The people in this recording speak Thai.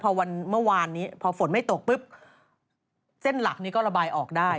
พอวันเมื่อวานนี้พอฝนไม่ตกปุ๊บเส้นหลักนี้ก็ระบายออกได้